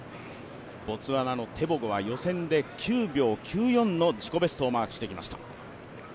ボツワナのテボゴは、予選で９秒９４の自己ベストをマークしてきました。